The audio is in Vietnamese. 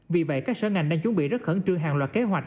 vì vậy các sở ngành đang chuẩn bị rất khẩn trương hàng loạt kế hoạch